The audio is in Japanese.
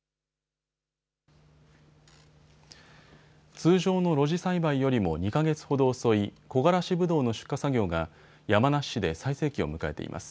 通常の露地栽培よりも２か月ほど遅いこがらしぶどうの出荷作業が山梨市で最盛期を迎えています。